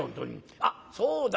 「あっそうだ。